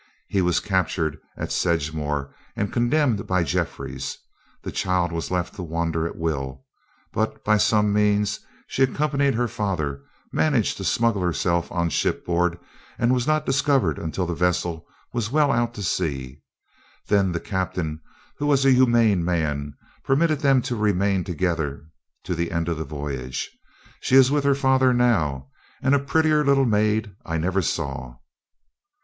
He was captured at Sedgemore, and condemned by Jeffries. The child was left to wander at will; but by some means she accompanied her father, managed to smuggle herself on shipboard, and was not discovered until the vessel was well out to sea. Then the captain, who was a humane man, permitted them to remain together to the end of the voyage. She is with her father now, and a prettier little maid I never saw."